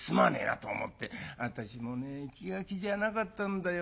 「私もね気が気じゃなかったんだよ。